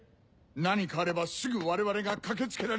何かあればすぐ我々が駆け付けられるように。